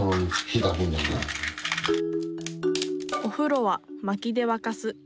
お風呂はまきで沸かす。